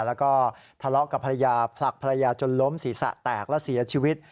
แล้วก็ทะเลาะกับภรรยาผลักภรรยาจนล้มศีรษะแตกและเสียชีวิต